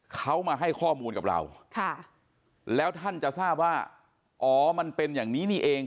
เขามาให้ข้อมูลกับเราค่ะแล้วท่านจะทราบว่าอ๋อมันเป็นอย่างนี้นี่เอง